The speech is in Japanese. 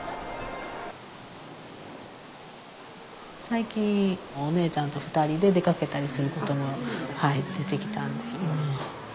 最近お姉ちゃんと２人で出掛けたりすることも出て来たんで。